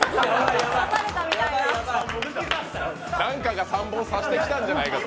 なんかが３本刺してきたんじゃないかと。